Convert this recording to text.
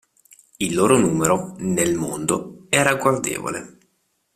Il loro numero, nel mondo, è ragguardevole.